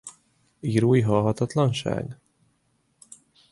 Írói halhatatlanság?